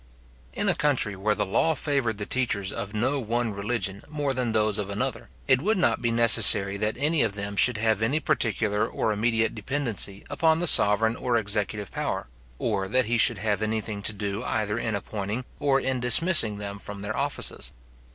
In a country where the law favoured the teachers of no one religion more than those of another, it would not be necessary that any of them should have any particular or immediate dependency upon the sovereign or executive power; or that he should have anything to do either in appointing or in dismissing them from their offices.